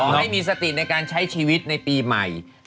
ให้มีสติในการใช้ชีวิตในปีใหม่